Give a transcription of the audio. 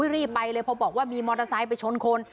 รีบไปเลยพอบอกว่ามีมอเตอร์ไซค์ไปชนคน